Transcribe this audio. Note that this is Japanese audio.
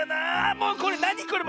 もうこれなにこれ！